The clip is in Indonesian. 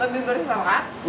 berarti ini kuah bening